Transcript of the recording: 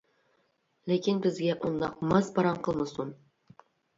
لېكىن بىزگە ئۇنداق ماز پاراڭ قىلمىسۇن.